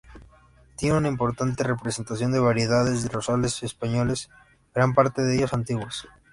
Tiene una importante representación de variedades de rosales españoles, gran parte de ellos antiguos.